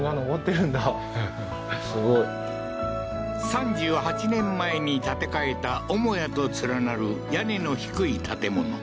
すごい３８年前に建て替えた母屋と連なる屋根の低い建物